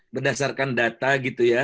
berdasarkan data gitu ya